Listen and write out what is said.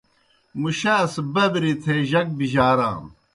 مُشاس ببرِی تھے جک بِجارانوْ۔